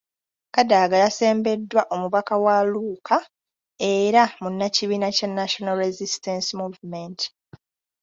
Kadaga yasembeddwa omubaka wa Luuka era munnakibiina kya National Resistance Movement.